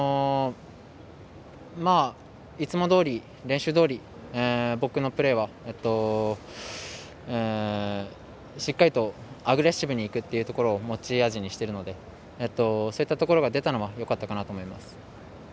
いつもどおり練習どおり僕のプレーはしっかりとアグレッシブにいくっていうところを持ち味にしているのでそういったところが出たのはよかったかなと思います。